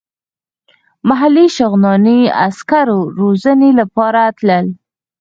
محلي شغناني عسکر روزنې لپاره تلل.